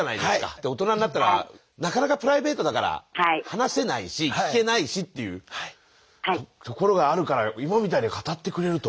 で大人になったらなかなかプライベートだから話せないし聞けないしっていうところがあるから今みたいに語ってくれると。